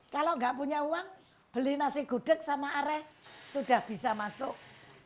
kalau nggak punya uang beli nasi gudeg sama areh sudah bisa masuk